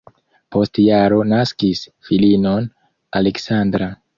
Post jaro naskis filinon Aleksandra.